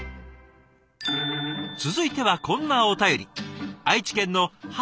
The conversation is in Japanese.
続いてはこんなお便り。